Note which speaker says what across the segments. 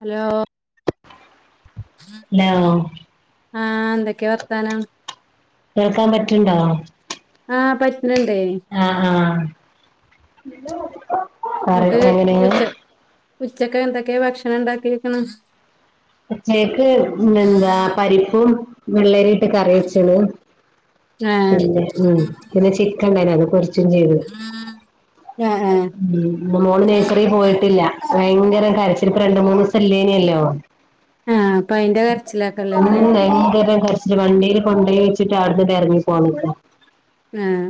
Speaker 1: Hello
Speaker 2: hello
Speaker 1: ആഹ എന്തൊക്കെയ വർത്താനം
Speaker 2: കേൾക്കാൻ പറ്റുണ്ടോ
Speaker 1: ആഹ പ
Speaker 2: ആഹ ആഹ പറ എങ്ങനെയ
Speaker 1: ഉച്ചക്കെ എന്തൊക്കെയ ഭക്ഷണം ഉണ്ടാക്കിക്ക്ണ്
Speaker 2: ഉച്ചക്ക്എന്താ പരിപ്പും വെള്ളരിട്ട് കറി വച്ചത്
Speaker 1: ഏഹ്
Speaker 2: പിന്നെ ഉ പിന്നെ ചിക്കണ്ടായിന്നു അത് കുറച്ച് ും ചെയ്ത്
Speaker 1: ആഹ് ആഹ്
Speaker 2: മോള് നേഴ്സറി പോയിട്ടില്ല ഭയങ്കര കരച്ചല്‌രണ്ട മൂന്ന് ദിവസല്ലേനല്ലോ
Speaker 1: ആഹ് അപ്പൊ അയിന്റെ
Speaker 2: ഉ
Speaker 1: കരച്ചിലാക്കല്ലേന്ന്
Speaker 2: ഭയങ്കരം കരിച്ചില് വണ്ടീയില് കൊണ്ടയി വെ വ് അടുട്ട ഇറങ്ങി പോണ
Speaker 1: ആഹ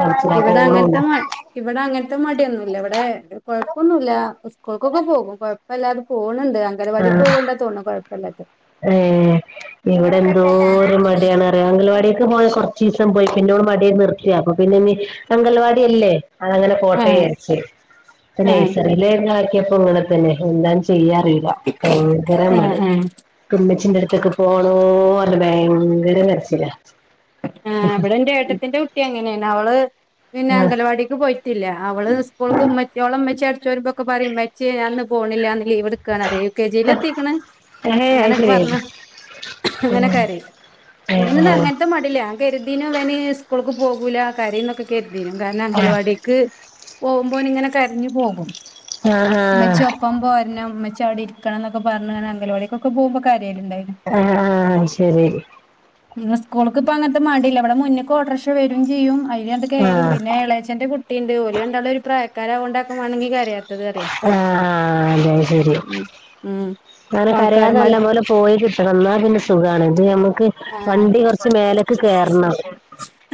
Speaker 2: കരച്ചിലാ
Speaker 1: ഇവിടെ
Speaker 2: പോണുല്ല
Speaker 1: അങ്ങനത്തെ മ ഇവിടെ അങ്ങത്തെ [unintelligible] മടിയൊന്നുംല്ല ഇവിടെ കുഴപ്പമൊന്നുമല്ല സ്കൂൾക്കൊക്കെ പോകും കൊഴപ്പമല്ലാതെ പോക അംഗനവാടി പേകോണ്ടാണ് കുഴപ്പല്ലാത്തത്
Speaker 2: ഏ ഇവിടെ എന്തോ ഒരു മടിയാണ് അറിയൻ അംഗൽവാടിയൊക്കെ പോയ കുറച്ച് ദിവസം പോയി പിന്നോട് മടി നിർത്തിയയാ അപ്പ പിന്നെ ഇനി അംഗൽവാടിിയല്ലേ അതങ്ങനെ കോട്ടയ
Speaker 1: ആഹ്
Speaker 2: അരിച്ച
Speaker 1: ആഹ്
Speaker 2: നഴ്സറിയില ആാക്കിയപ്പോ ഇങ്ങനെ തന്നെ എല്ലാം ചെയ്യാ [unintelligible] ഭയങ്കര മഴ
Speaker 1: ആഹ് ആഹ്
Speaker 2: ഇമ്മച്ചിന്റെടുത്തൊക്ക പോണോ പറഞ്ഞ്ഭയങ്കര കരച്ചിലാ
Speaker 1: ആ ഇവിടെ എന്റെ ഏട്ടത്തിന്റെ കുട്ടി അങ്ങനെയന്ന അവള് പിന്നെ അംഗലവാടിക്ക് പോയി പല്ല അവള് സ്കൂൾക്ക്മെച്ച [unintelligible] അടച്ച്ു വരുമ്പോൊക്കെ പറയും ഇവച്ചി ഞാനിന്ന് അന്ന് പോണില്ല ലീവ് എടുക്കാണ് അറിയ യു കെ ജിൽ എത്തിക്കണ
Speaker 2: ആഹ് ഏഹ്
Speaker 1: അങ്ങനെെ
Speaker 2: അത് ശരി
Speaker 1: പറഞ്ഞ
Speaker 2: ഉം
Speaker 1: അങ്ങനെ
Speaker 2: ഏഹ്
Speaker 1: കരിംഇവനിന്ന്
Speaker 2: ഏഹ്
Speaker 1: അങ്ങന ഇല്ല കരുതിന്നു ഇവന് സ്കൂൾക്ക് പോകൂലാകയുന്നതൊക്കെ കരുതി കാരണംഅംഗനവാടിക്ക് കരുതീനും കാരണം
Speaker 2: ആഹ്
Speaker 1: അങ്കൽവാടിക്ക് പോകുമ്പോന് ഇങ്ങനെ കരിഞ്ഞു പോകും
Speaker 2: ആഹ്
Speaker 1: ഉമ്മച്ചി
Speaker 2: ആഹ്
Speaker 1: ഒപ്പം പോരണം ഇച്ചവിടെ ഇരിക്കണം എന്നക്കെ പറഞ്ഞ അംഗനവാടിക്ക് പോകുമ്പകര
Speaker 2: ആഹ ആഹ ശരി
Speaker 1: നി സ്കൂൾക്ക ഇപ്പ അങ്ങനത്തെ മേണ്ടില്ലല്ല ഇവിടെ മുന്നേക്ക് ഓടർക്ഷ വരും ചെയ്യും
Speaker 2: ആഹ്
Speaker 1: [unintelligible] പിന്നെ
Speaker 2: ആഹ്
Speaker 1: എളേച്ചൻ്റെ കുട്ടി ഉണ്ട് ഓല് രണ്ടാളും ഒരു പ്രായക്കാരാഡക്കും വാണമെങ്കി [unintelligible]
Speaker 2: ആഹ ആ ന്ന ശരി
Speaker 1: ഉം ഉം
Speaker 2: അങ്ങനെ കരയാതെ നല്ല
Speaker 1: ഓണക്കാരന്മാര്
Speaker 2: പോലെ പോയി കിട്ടണം ഇന്നാ പിന്നെ സുഖാണ് ഇത്ഞമ്മക്ക്
Speaker 1: ആഹ്
Speaker 2: വണ്ടി കുറച്ച് മേല ക്ക്‌കേറണം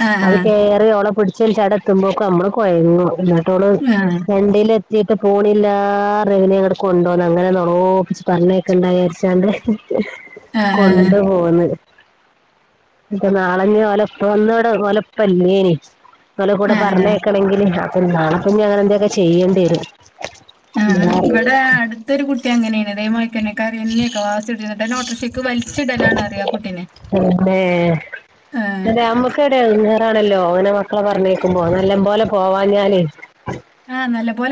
Speaker 1: ആഹ്
Speaker 2: അത് [unintelligible] ട എത്തുമ്പോഴൊക്കെ നമ്മള് കുഴങ്ങു എന്നിട്ടോ
Speaker 1: ആഹ്
Speaker 2: വണ്ടൽ ചീട്ട പോണില്ലറെങ്ങനെ അങ്ങട്ട കൊണ്ടോന്ന് അങ്ങനെോപ്പിച്ച പറഞ്ഞയൊക്കെ ഇണ്ട വിചാരിച്ചാണ്ട്
Speaker 1: ആഹ് ആഹ്
Speaker 2: കൊണ്ട പോന്ന് ഇപ്പ നാളഞ്ഞ ഒലപ്പ ഒന്നോടെ ഒലപ്പല്ലേനി ഓലെ കൂടെ
Speaker 1: ആഹ് ആഹ്
Speaker 2: പറഞ്ഞേക്കണെങ്കിൽ അപ്പൊ നാണപ്പഞ്ഞഞ് അങ്ങനെ എന്തൊക്കെ ചെയ്യേണ്ടി വരും
Speaker 1: ആ്
Speaker 2: എന്താ അറിയില്ല
Speaker 1: ഇവിടെ അടുത്തരു കുട്ടി അങ്ങനെയാണ് ദയ മക്കെ കറിിയന്നെയൊക്കെ വാസി നോട്ട
Speaker 2: അതെ
Speaker 1: ആഹ്
Speaker 2: അതെ അമ്മക്ക എടെയാ അതാണല്ലോ അങ്ങനെ മക്കളെ പറഞ്ഞേക്കുമ്പോ നല്ല പോലെ പോവാ ഞാലേ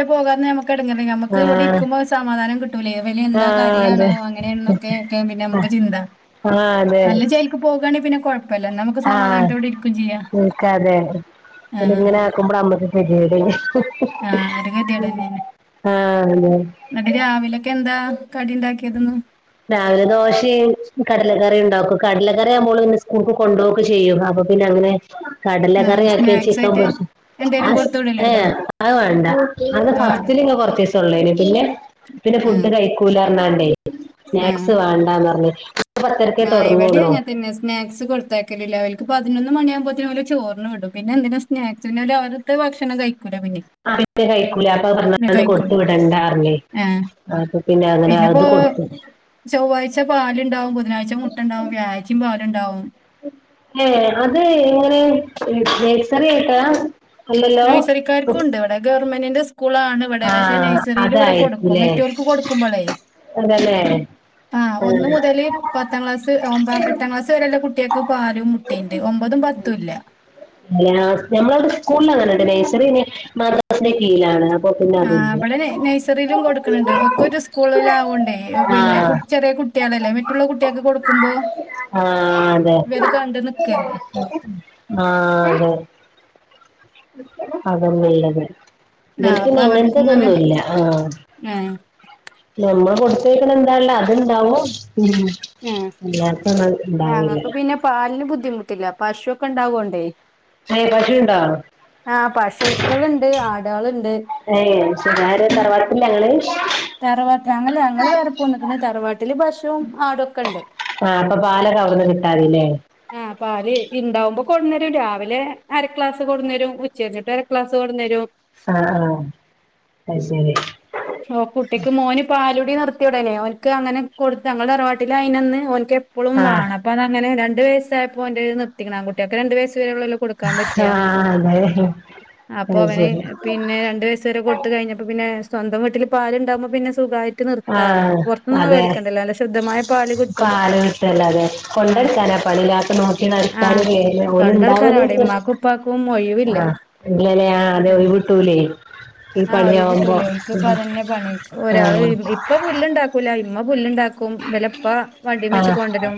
Speaker 1: പോകാെ നമക്ക് ടങ്ങെ നമുക്ക് ഇവിടെ
Speaker 2: ആഹ്
Speaker 1: ഇരിക്കുമ്പോ സമാധാനം കിട്ടൂലേ വല എന്താ
Speaker 2: ആഹ് അതെ
Speaker 1: കയയാണോ അങ്ങനെയാണെന്നൊക്കെക്കെ പിന്നെ നമുക്ക് ചിന്ത
Speaker 2: ആഹ് അതെ
Speaker 1: നല്ല ചേക്ക് പോകയാണെ പിന്നെ കുഴപ്പമില്ല നമുക്ക് സമാധാനത്തോരിക്ക
Speaker 2: നിക്ക അതെതെ അ ഇങ്ങനെ ആക്കുമ്പോൾ അമ്മക്ക് ശരിട
Speaker 1: ആഹ ഒരു ഗതിട തന്നെയന്നെ
Speaker 2: ആഹ് അതെ
Speaker 1: എന്നട്ട് രാവിലൊക്കെ എന്താ കട ക്കിയതരുന്നു
Speaker 2: രാവിലെ ദോശയും കടലക്കറിയുണ്ട് ക്ക് കടലകറി ആക്പോൾ പിന്നെസ്കൂൾ കൊണ്ട്പോക്കെ ചെയ്യും അപ്പൊ പിന്ന അങ്ങനെ കടല കറിയക്കിയ
Speaker 1: സ്നാക്സ്
Speaker 2: ചിക്കൻ
Speaker 1: ആയിട്ട്
Speaker 2: പോ അ
Speaker 1: എന്തേലും കൊടുത്തു
Speaker 2: ഏഹ
Speaker 1: വിടലുണ്ടോ
Speaker 2: അത് വേണ്ട അത് ഫസ്റ്റിലി കൊറത്ത പിന്നെ പിന്നെ
Speaker 1: ആ
Speaker 2: ഫുഡ് കഴിക്കൂലാണ്ടേ
Speaker 1: ആ
Speaker 2: സ്നാക്സ് വേണ്ടന്ന് പറഞ്ഞ
Speaker 1: ആ ഇവിടെ അങ്ങെ തന്നെ സ്നാക്സ് കൊടുത്താക്കലില്ല അവക്ക് പതിനൊന്ന് മണിയാക്പോത്തേ പോല ചോന്നന്ന് വിടും പിന്നെ എന്തിനാ സ്നക്സ്സിരവിടുത്ത് ഭക്ഷണം കഴിക്കൂല പിന്നെ
Speaker 2: ആ കഴിക്കൂല അപ്പൊ
Speaker 1: പിന്നെ
Speaker 2: പററന്നാൾ
Speaker 1: കഴിക്കൂല
Speaker 2: കൊടുത്തു വിടണ്ടാറിില്ലേ
Speaker 1: ആ
Speaker 2: അപ്പ പിന്നെ അങ്ങനെ അത് കൊടുത്തു
Speaker 1: ചൊവ്വാഴ്ച പാലുണ്ടാവും ബുധനാഴ്ച മുട്ട ഉണ്ടാവും വ്യാ്ചും പാാലുണ്ടാവും
Speaker 2: ഏ അത് എങ്ങനെ ഗേസറി ആയിട്ടാ അല്ലല്ലോ
Speaker 1: നൈസറിക്കാർക്കുംണ്ട് ഇവിടെ ഗവൺമെന്റിന്റെ സ്കൂളാണ് ഇവിടെ പക്ഷെ
Speaker 2: ആഹ്
Speaker 1: നഴസറിൽ ഇവിടെ കൊടുക്കും
Speaker 2: അതായിരിക്കൂല്ലേ
Speaker 1: മറ്റവർക്ക് കൊടുക്കുമ്പോളേ
Speaker 2: അതല്ലേ
Speaker 1: ആഹ് ഒന്ന മുതല് പത്താം ക്ലാസ് ഒ എട്ടാം ക്ലാസ് വരെെയല്ല കുട്ടികൾക്ക് പാലും മുട്ടയുണ്ട് ഒമ്പതും പത്തല്ല
Speaker 2: അ നഞമ്മളവിടെ സ്കൂളിലങ്ങെട്ട് നഴ്സറിെ മാദ്രാസിന്റെ കീഴിലാണ് അപ്പൊ പിന്നെ
Speaker 1: ആ
Speaker 2: അതില്ല
Speaker 1: അവിടെ നഴ്സറിയിലും കൊടുക്കണണ്ട് ഒക്കെ ഒരു സ്കൂളില ആാവണ്ടേ പിന്നെ
Speaker 2: ആഹ്
Speaker 1: കു ചെറിയ കു കുട്ടികളല്ലേ മറ്റുള്ള കുട്ടികൊക്കെ കൊടുക്കുമ്പോ
Speaker 2: ആഹ അതെ
Speaker 1: ഇവര് കണ്ട് നിക്കല്ലേ
Speaker 2: ആഹ അതെ അതൊന്നല്ലത്
Speaker 1: ആ അപ്പൊ
Speaker 2: ഇവർക്ക്ന്ന
Speaker 1: അവർക്കും ഇങ്ങനെ
Speaker 2: അങ്ങനത്തെതൊന്നുമല്ല ആഹ
Speaker 1: ആ
Speaker 2: നമ്മ കൊടു വിവേക്കന എന്താല്ല അത്െന്താവോ ഉ
Speaker 1: ഉം
Speaker 2: അല്ലാക്കന്ന ഉണ്ടാവല്ല
Speaker 1: കിട്ടില്ല പശുൊക്കെ ഉണ്ടാവോണ്ടേ
Speaker 2: ഏഹ് പശുണ്ടോ
Speaker 1: ആഹ് പശുക്കൾുണ്ട് ആടകളുണ്ട്
Speaker 2: ശാര് തറവാത്തില്ല ഞങ്ങള്
Speaker 1: തറവാട്ടിലാങ്ങല്ല ഞങ്ങള്ൾ വേറെ പോ നിക്കണ തറവാട്ടില് ഭഷവും ആടൊക്കെണ്ട്
Speaker 2: പാല കർന്ന് കിട്ടാെ
Speaker 1: ആഹ അപ്പൊ അവര് ഇണ്ടാവുമ്പോൊ കൊണ്ടു തരും രാവിലെ അര ക്ലാസ് കൊു തരും ഉച്ചരിഞ്ഞിട്ട് അര ക്ലാസ് കൊണ്ടു തരും
Speaker 2: ആഹ ആഹ അത് ശരി
Speaker 1: ഓ കുട്ടിക്ക് മോന് പാലും ടി നിർത്തിയവിടനെ അവക്ക് അങ്ങെ കൊടു ഞങ്ങളുടെ തറവാട്ടിൽ അതിനന്ന് അവനിക്ക് എപ്പോഴും
Speaker 2: ആഹ്
Speaker 1: വേണം അപ്പ അതങ്ങനെ രണ്ടണ്ട് വയസ്സായപ്പോ അറ നിർത്തിക്കണം ആ കുട്ടിയൊക്കെ രണ്ട് വയസ്സ് വരെ ഉള്ളല്ലോ കൊടുക്കാൻ പറ്റിയാ
Speaker 2: ആഹ് അതെ
Speaker 1: അപ്പൊ
Speaker 2: അത്
Speaker 1: അവന്
Speaker 2: ശരി
Speaker 1: പിന്നെ രണ്ടു വയസ വരെ കൊടുത്ത കഴിഞ്ഞപ്പോ പിന്നെ സ്വന്തം വീട്ടിൽ പാലുണ്ടാക്പോ പിന്ന സുഖ
Speaker 2: ആ അതെ
Speaker 1: ശുദ്ധമായ പാല് കിട്ടും
Speaker 2: പാല് [unintelligible] അതെ
Speaker 1: ആ
Speaker 2: കൊണ്ടോടുക്കാന പണിയില്ലാത്തെ നോക്കി
Speaker 1: ആഹ്
Speaker 2: [unintelligible] ഓല്
Speaker 1: തൊണ്ടടക്കാൻ
Speaker 2: ഇണ്ടാവൂലോ
Speaker 1: എവിടെ ഉമ്മാക്കും ഉപ്പാക്കും ഒഴിവില്ല
Speaker 2: ആ [unintelligible] ഏ ആ ന് ഒയ്
Speaker 1: അതന്നെ
Speaker 2: വുട്ടൂലെയ് ഈ
Speaker 1: ആഹ് ഒഴിവ്
Speaker 2: പണിയാവുമ്പോ
Speaker 1: കിട്ടൂല ഓൽക്ക് ഇപ്പ
Speaker 2: ഉം
Speaker 1: അതന്നെ പണി ഒരാള്
Speaker 2: ആ
Speaker 1: ഇപ്പ പുല്ല്ണ്ടാക്കൂല്ല ഇമ്മ പുല്ല്ണ്ടാ ക്കും ബെലപ്പ വണ്ടിമ്മെച്ച്
Speaker 2: ആഹ്
Speaker 1: കൊണ്ടരും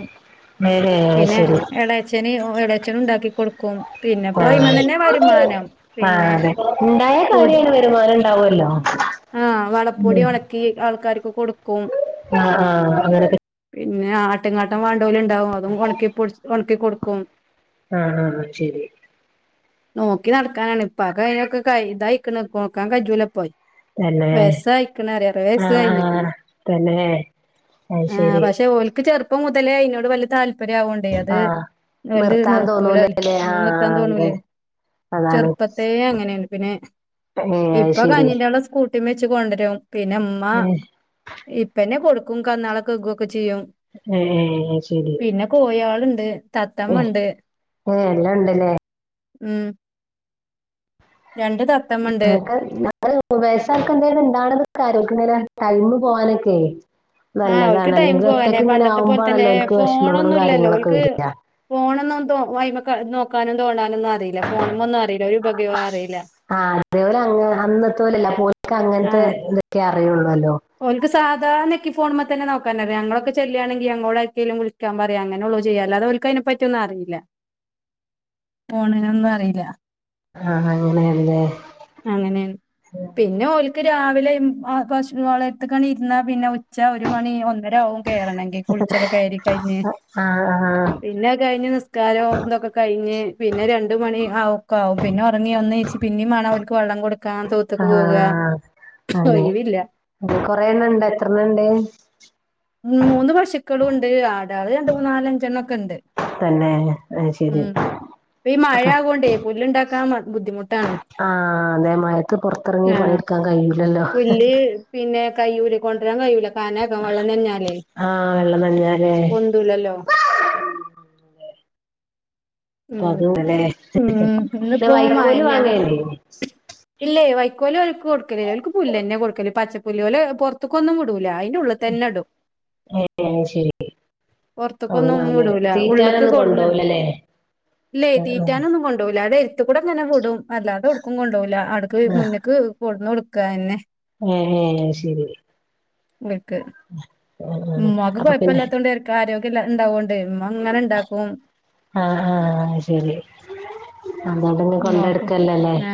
Speaker 2: നേരെ അത്
Speaker 1: പിന്നെ
Speaker 2: ശരി
Speaker 1: എളേച്ചന് ഒ വട അച്ഛനും ഉണ്ടാക്കി കൊടുക്കും പിന്നെപ്പോ
Speaker 2: ആ
Speaker 1: അയ്മന്നന്നെ വരുമാനം
Speaker 2: ആ
Speaker 1: പിന്നെ
Speaker 2: അതെ ഇണ്ടായ കാര്യാണ് വരുമാനം ഇണ്ടാവുല്ലോ
Speaker 1: ആ വളപ്പൊടി ഒണക്കി ആൾക്കാർക്ക് കൊടുക്കും
Speaker 2: ആഹ് ആഹ് അങ്ങനൊക്കെ
Speaker 1: പിന്നെ ആട്ടിങ്ങാട്ടം വാണ്ടോല്ണ്ടാവും അതും ഒണക്കി പ്പൊടിച് ഒണക്കി കൊടുക്കും
Speaker 2: ആ ശരി
Speaker 1: നോക്കി നടക്കാനാണ് ഇപ്പാക്ക് അയിനൊക്കെ കയ് തായിക്ക്ണ് നോക്കാൻ കജ്ജൂല ഇപ്പൊ
Speaker 2: തന്നെ
Speaker 1: വയിസ്സായിക്കണ് അറ്പത് വയസ്സ്
Speaker 2: ആഹ്
Speaker 1: കഴിഞ്ഞിക്കണ്
Speaker 2: ആഹ് തന്നെ അത്
Speaker 1: ആ
Speaker 2: ശരി
Speaker 1: പക്ഷെ ഓൽക്ക് ചെറുപ്പം മുതലേ അയിനോട് വല്യയ താല് പ്പരാവൊണ്ടേ അത്
Speaker 2: ആഹ്
Speaker 1: ന്നോൽത്
Speaker 2: നിർത്താൻ
Speaker 1: നിർത്തൂലാലേ
Speaker 2: തോന്നൂലല്ലേ
Speaker 1: നിർത്താൻ
Speaker 2: ആഹ് അതെ
Speaker 1: തോന്നൂലേ
Speaker 2: അതാണ്
Speaker 1: ചെറുപ്പത്തെ അങ്ങനെയാണ് പിന്നെ
Speaker 2: ഏഹ് അത്
Speaker 1: ഇപ്പൊ
Speaker 2: ശരി
Speaker 1: [unintelligible] സ്കൂ [unintelligible] മെച്ച് കൊണ്ടുരും പിന്നെ ഉമ്മ
Speaker 2: ഏഹ്
Speaker 1: ഇപ്പന്നെ കൊടുക്കും കന്നാളക്കെക്കെ വെ ചി യ്യും പിന്നെ കോയാള്ണ്ട്
Speaker 2: ഏ ഏ എല്ലാം ഉണ്ടല്ലേ
Speaker 1: ഉം രണ്ട് തത്തമ്മണ്ട്
Speaker 2: [unintelligible] തൽക്കന്തേണ് ണ്ടാണത് ആരോഗ്യനിലര ടൈമ് പോകാനൊക്കെ
Speaker 1: ആഹ് ഓൽക്ക്
Speaker 2: നല്ലതാണ്
Speaker 1: ടൈം
Speaker 2: അല്ലെങ്കി
Speaker 1: പോകാനെ
Speaker 2: ഒറ്റക്ക്
Speaker 1: പണ്ടത്തെ പോലെ
Speaker 2: ഇങ്ങനാകുമ്പോ
Speaker 1: തന്നെ
Speaker 2: ആണല്ലോ ഓൽക്ക് വിഷമങ്ങളും കാര്യങ്ങളും ഒക്കെ വരിക
Speaker 1: പോണംന്ന് തോ വൈമക്കെ നോക്കാനും തോണ്ടാ ഒന്നും അറിയില്ല ഫോണ് ഒന്നുമറിയില്ല ഒരു ഉപകയ അറിയില്ല
Speaker 2: ക്ക അങ്ങനത്തെ
Speaker 1: ആഹ്
Speaker 2: ഇതൊക്കെ അറിയോള്ളു
Speaker 1: ഓൽക്ക് സാധാന എനിക്കി ഫോണിമെ തന്നെ നോക്കാൻ അറിയാം ഞങ്ങളൊക്കെ ചെല്യയാണെങ്കിൽ അങ്ങോട് ആർക്കേലും വിളിക്കാൻ പറയാ അങ്ങനൊള്ള ചെയ്യ അല്ലാതെ ഓൽക്ക് അയിനെ പറ്റി ഒന്ന് അറിയില്ല പോണിനൊന്നും അറിയില്ല
Speaker 2: ആഹ് അങ്ങനെയാണല്ലേ
Speaker 1: അങ്ങനെണ് പിന്നെഓൽ ഇക്ക രാവിലെ ആ പശു വളത്തക്കന്നെ ഇരുന്ന പിന്നെ ച്ചാ ഒരു മണി ഒന്നരാകും കേറണെങ്കി കുളിച്ചൊക്കെ കേറി കഴിഞ്ഞ്
Speaker 2: ആഹ് ആഹ്
Speaker 1: പിന്നഹ് കഴിഞ്ഞ് നിസ് ക്കാരോ ഇന്തൊക്കെ കഴിഞ്ഞ് പിന്നെ രണ്ടു മണി ആ ഒക്കാവും പിന്നെ ഒറങ്ങി ഒന്നേച്ച് പിന്നീം വേണം അവർക്ക് വെള്ള ള്ളം കൊടുക്കാൻ തൊഉത്തുക്ക് പോക ഒയ് വില്ല
Speaker 2: കൊറേണ്ണഇണ്ടോ എത്ര എണ്ണ ഇണ്ട്
Speaker 1: ഉം മൂന്ന് പശുക്കളൂണ്ട് ആടാള് രണ്ട് മൂന്നാലഞ്ചെണ്ണോക്കെണ്ട്
Speaker 2: തന്നെ അത് ശരി
Speaker 1: ഉം ഇപ്പ ഈ മഴ
Speaker 2: അപ്പൊ
Speaker 1: ആവുണ്ടേ പുല്ല് ഇണ്ടാക്കാൻ മാ
Speaker 2: ആ അതെ മയത്ത് പൊറത്തെറങ്ങി
Speaker 1: ആഹ്
Speaker 2: പണിയെടുക്കാൻ കയില്ലല്ലോ
Speaker 1: പുല്ല് പിന്നെ കയ്യൂലെ കൊണ്ടരാൻ കയ്യൂല കാനക്കെ വെള്ളഞഞ്ഞാലേ
Speaker 2: ആഹ് വെള്ളം നനഞ്ഞാലേ
Speaker 1: പൊന്തുലല്ലോ [inaudible] ഉം
Speaker 2: അപ്പൊ അതുംല്ലേ
Speaker 1: ഉം ന്ന്
Speaker 2: പിന്നെ
Speaker 1: പ്പോ
Speaker 2: വൈക്കോല്
Speaker 1: മയന്നെയ പ
Speaker 2: വാങ്ങേണ്ടേ
Speaker 1: ഇല്ലേ വൈക്കോല് ഒക്ക് കൊടുക്കലില്ല അവക്ക് പുല്ല്ന്ന്യയ കൊടുക്കല് പച്ചപ്പുല്ല് പോലെ പൊറത്തക്കൊന്നും വിടു ല്ല അയിന്റെ ഉള്ളിതന്നെടും
Speaker 2: ഏഹ് അത് ശരി
Speaker 1: പോറത്തൊക്കൊന്നും ഒന്നും
Speaker 2: അങ്ങനാവുല്ലേ
Speaker 1: വിടൂല ഉള്ള്ക്ക്
Speaker 2: തീറ്റാനൊന്നും
Speaker 1: കൊടുന്ന്
Speaker 2: കൊണ്ടോവൂലല്ലേ
Speaker 1: ഇല്ലേയ്
Speaker 2: ആഹ്
Speaker 1: തീറ്റാനൊന്നും കൊണ്ടു പോവില്ല അവടെര് - ത്തു കൂടെങ്ങനെ വിടും അല്ലാതെവ്ടുക്കും കൊണ്ടൊകൂല അവ്ട്ക്ക് മുന്ന്ക്ക് കൊടന്ന് കൊടുക്ക അഎന്നെ
Speaker 2: ഏ ഏ ശരി
Speaker 1: മിക്ക്
Speaker 2: [inaudible] ആഹ്
Speaker 1: മഖ
Speaker 2: അപ്പൊ പിന്നെ
Speaker 1: കുഴപ്പമാത്തോണ്ട് കേക്കും ആരോഗ്യംല്ലാം ഉണ്ടാവണ്ട്
Speaker 2: ആഹ് ആഹ് ആ ശരി അതോണ്ടന്നെ
Speaker 1: ഉമ്മാക്കും
Speaker 2: കൊണ്ടെടുക്കല്ലല്ലേ
Speaker 1: ആ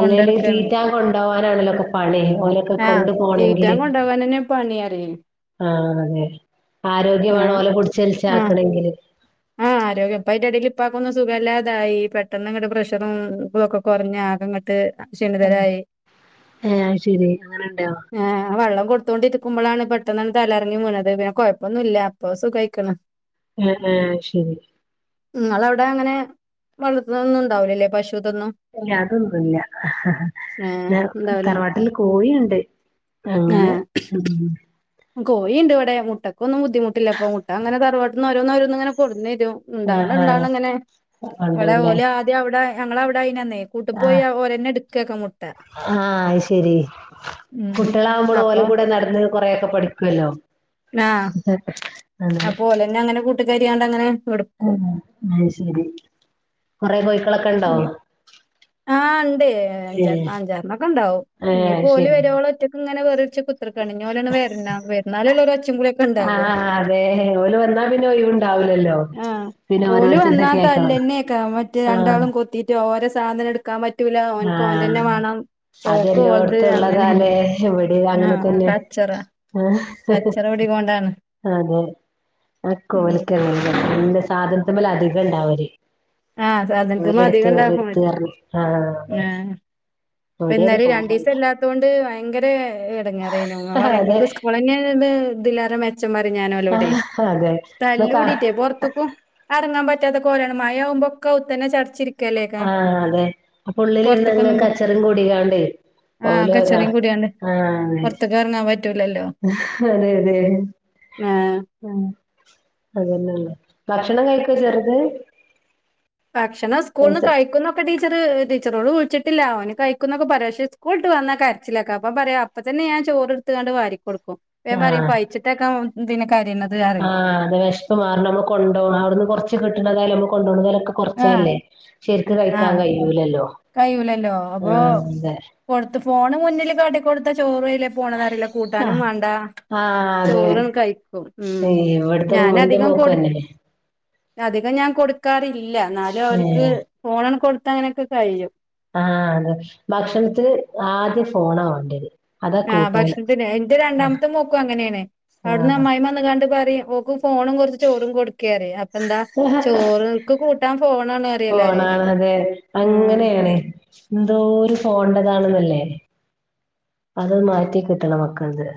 Speaker 2: അല്ലേലേ തിറ്റാൻ കൊണ്ടോവാനാണല്ലോപ്പ പണി ഓലക്കെ
Speaker 1: ആഹ് തീറ്റാൻ കൊണ്ട പോകൻന്നെ പണിയ പറിയി
Speaker 2: ആഹ് അതെ ആരോഗ്യവേണം ഓലെ പിടിച്ചുവലിച്ച്
Speaker 1: ആ
Speaker 2: ആക്കണെങ്കില്
Speaker 1: ആ ആരോഗ്യം ഇപ്പ അതിന്റെ ഇടൽ ഇപ്പാക്കൊന്നും സുഖംമല്ലാതായി പെട്ടെന്ന് ഇങ്ങട്ട പ്രഷറും ഇതൊക്കെ കുറഞ്ഞ് ആകെ അങ്ങട്ട് ശീണതരായി
Speaker 2: ഏഹ് അത് ശെരി അങ്ങനെണ്ടോ
Speaker 1: ആ വെള്ളം കൊടുത്തുകോണ്ടിരിക്കുമ്പോഴാണ് പെട്ടെന്ന്ന്ന തലറങ്ങി മീണത് പിന്നെ കൊഴപ്പൊന്നുല്ല ഇപ്പൊ സുഖയിക്കണ്
Speaker 2: ആഹ് ആഹ് ശരി
Speaker 1: നിങ്ങളാ അവിടെ അങ്ങനെ വളർത്തുന്ന ഒന്നും ഉണ്ടാവലല്ലേ പശു
Speaker 2: ഇ ല്ല അതൊന്നുല്ല
Speaker 1: ഏ ഉണ്ടാവൂല
Speaker 2: തറവാട്ടിൽ കോയിയുണ്ട്
Speaker 1: ഏ
Speaker 2: അങ്ങനെ
Speaker 1: കോഴിണ്ട് ഇവിടെ മുട്ടക്കൊന്നും ബുദ്ധിമുട്ടില്ലപ്പ മുട്ട അങ്ങനെ തറവാട്ടുന്ന് ഓരോന്നോരോന്നിങ്ങനെ കൊടുന്ന രും ഇാണ്ടാവണ
Speaker 2: ആഹ്
Speaker 1: ഇണ്ടാവണ
Speaker 2: ആഹ്
Speaker 1: അങ്ങനെ ഇവിടെ
Speaker 2: കൊണ്ടരുല്ലേ
Speaker 1: ഓല് ആദ്യം അവിടെ ഞങ്ങളവിടെ അയ്‌ന കൂട്ടി പോയി
Speaker 2: ആഹ്
Speaker 1: ഓരന്നെ എടുക്കൊക്കെ മുട്ട ഉം
Speaker 2: കുട്ടികളാകുമ്പോൾ ഓല
Speaker 1: അപ്പൊ
Speaker 2: കൂടെ നടന്ന് കൊറെയൊക്കെ പഠിക്കുവല്ലോ
Speaker 1: അപ്പോ ഓലന്നെ അങ്ങനെ കൂട്ടുകാരിയണ്ട് അങ്ങനെ
Speaker 2: ആ
Speaker 1: എടുക്കും
Speaker 2: അ ശരി കൊറെ കോഴിക്കളൊക്കെ ണ്ടോ
Speaker 1: ആ ഉണ്ട് അഞ്ച അഞ്ചാരറിണം ഒക്കെ ഉണ്ടാവും
Speaker 2: ഏഹ്
Speaker 1: ഇനിപ്പോ ഓല്
Speaker 2: ശരി
Speaker 1: വരുവളോ ഒറ്റക്കെ ഇങ്ങനെ വേറിരി ത്തിരിക്കാണ് ഞ്ഞി ഓലന്നെ വരണം വരുന്നാലല്ലേ ഒരു ഒച്ചെ പൊളിയൊക്കെണ്ടാക
Speaker 2: ആഹ് അതെ ഓല് വന്നാ പിന്നെ ഒഴിവുണ്ടാവൂലല്ലോ
Speaker 1: ആഹ്
Speaker 2: പിന്നെ
Speaker 1: ഓല്
Speaker 2: ഓരോരുത്തരത്
Speaker 1: വന്നാ
Speaker 2: കേക്കണം
Speaker 1: തൊല്ലന്നെയാക്കും മറ്റേ ര
Speaker 2: ആഹ്
Speaker 1: ണ്ടാളും കൊത്തിയിട്ട് ഓരെ സാധനം എടുക്കാൻ പറ്റൂല ഓനക്ക് ഓന്റെ
Speaker 2: ആഹ്
Speaker 1: തന്നെ വേണം ഓക്ക് ഓൾത്
Speaker 2: അതെല്ലോടത്തും
Speaker 1: അങ്ങനെ
Speaker 2: ഉള്ളതാല്ലേ ഇവിടേം
Speaker 1: ആ
Speaker 2: അങ്ങനെ തന്നെ
Speaker 1: കച്ചറ കച്ചറ പിടി കൊണ്ടാണ്
Speaker 2: അ ആ കോല [unintelligible] എന്റെ സാധനത്തെ മേലെ അധികം ഇണ്ടാല്
Speaker 1: ആഹ് സാധനത്തിന്
Speaker 2: ഓരടുത്തു ഓരടുത്ത് [unintelligible] ആഹ് അതെ
Speaker 1: ആ ഇപ്പൊ
Speaker 2: ഇവിടേം
Speaker 1: ഇന്നലെ
Speaker 2: അതുപോലെ തന്നെ
Speaker 1: രണ്ടീസം ഇല്ലാത്ത കൊണ്ട് ഭയങ്കര ഇടങ്ങറായ്നു [unintelligible]
Speaker 2: അതെ
Speaker 1: ങ്ങക്ക് സ്കൂൾ തന്നെയ ഇതിലാര മെച്ചം പറ ഞാനലോടെ
Speaker 2: ആഹ് അതെ ഇതൊക്കെ
Speaker 1: തല്ലൂടിട്ടേ പൊറത്തേക്കും ഇറങ്ങാൻ പറ്റ പറ്റാത്തെ കോലാണ് മയ ആകുമ്പോക്കെ ഉത്തന്നെ ചടച്ചിരിക്കും
Speaker 2: ആഹ് അതെ അപ്പൊള്ളില ഇരുന്നെങ്ങ്
Speaker 1: പൊറത്ത്ക്കൊന്നും പോ
Speaker 2: കച്ചറെം കൂടികാണ്ടേ
Speaker 1: ആഹ്
Speaker 2: ഓലോ രാ
Speaker 1: കച്ചറയും കൂടിയാണ്ട്
Speaker 2: ആഹ്
Speaker 1: പൊറത്ത്ക്ക് എറങ്ങാൻ പറ്റൂലല്ലോ.
Speaker 2: അതെ അതെ അതെ
Speaker 1: ആഹ്
Speaker 2: അതന്നെയല്ല ഭക്ഷണം കഴിക്കൊ ചെറുത്
Speaker 1: ഭക്ഷണം സ്കൂൾന്ന്
Speaker 2: നൈസ്
Speaker 1: കഴിക്കുന്നൊക്കെ ടി ച്ചർ ടീച്ചറോട് വിളിച്ചിട്ടില്ല ഓന് കഴിക്കുന്നൊക്കെ പറയും ക്ഷേ സ്കൂൾട്ട് വന്നാ കരച്ചിലാക്കും അപ്പ പറയാ അപ്പൊ തന്നെ ഞാൻ ചോറെടുത്തണ്ട് വാരികൊടുക്കും പ്പ ഞാൻ പറയും
Speaker 2: ആഹ്
Speaker 1: പയിച്ചിട്ടാക്കും അവൻ
Speaker 2: ആഹ് അത് വിഷ്പ് മാറണം മ്മൾ കൊണ്ടോണം അവിടുന്ന് കൊറച്ച് കിട്ടണ്ടതായാല നമ്മ കൊണ്ടോണതായാലും
Speaker 1: ആഹ്
Speaker 2: കൊറച്ചല്ലേ ശരിക്ക് കഴിക്കാൻ കഴിയൂലല്ലോ
Speaker 1: കയൂലല്ലോ അപ്പൊ
Speaker 2: ആഹ് അതെ
Speaker 1: കൊടുത്ത് ഫോണ് മുന്നിൽ കാട്ടി കൊടുത്ത ചോറ് പോണതറിയില്ല കൂട്ടാനും
Speaker 2: ആഹ്
Speaker 1: വേണ്ട
Speaker 2: ആഹ് അതെ
Speaker 1: ചോറും കഴിക്കും ഉം
Speaker 2: ഇവിടുത്തെ ഇന്റെ
Speaker 1: ഞാനധികം
Speaker 2: മോക്കും
Speaker 1: കൊടു
Speaker 2: അങ്ങനെന്നെ
Speaker 1: അധികം ഞാൻ കൊടുക്കാറില്ല എന്നാലും അവർക്ക്
Speaker 2: ഏഹ്
Speaker 1: ഫോണ് കൊടുത്ത അങ്ങനെയൊക്കെ കഴിയും
Speaker 2: ആഹ് അതെ ഭക്ഷണത്തിന് ആദ്യം ഫോണ വേണ്ടത്
Speaker 1: ആഹ് ഭക്ഷണത്തിന് എന്റെ രണ്ടാമത്തെ മോക്കും അങ്ങനെയാണ് അവിടുന്ന്
Speaker 2: ആഹ്
Speaker 1: അമ്മായി വന്ന കാണ്ട് പറയും ഓക്കും ഫോണും കുറച്ച് ചോറും കൊടുക്കറ അപ്പ എന്താ ചോറ്ക്ക് കൂട്ടാൻ ഫോണണ് പറയില്ലോര്
Speaker 2: അ അങ്ങനെയാണ് എന്തോ ഒരു ഫോൺണ്ടതാണെന്നല്ലേ അതൊ മാറ്റി കിട്ടണം മക്കലേത്